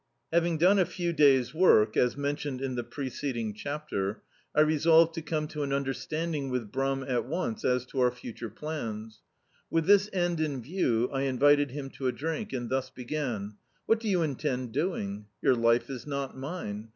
Having done a few days* work, as mentioned in D,i.,.db, Google A Night's Ride the preceding chapter, I resolved to come to an under standing with Brum at once as to our future plans. With this end in view, I invited him to a drink, and thus began: "What do you intend doing? Your life is not mine.